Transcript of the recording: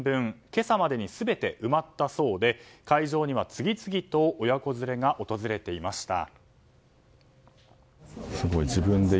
今朝までに全て埋まったそうで会場には次々と親子連れが訪れました。